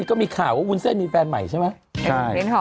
ก็มีข่าวว่าวุ้นเส้นมีแฟนใหม่ใช่ไหม